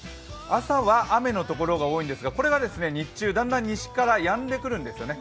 朝は雨の所が多いんですが、これが日中、だんだん西からやんでくるんですよね。